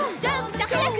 じゃあはやく。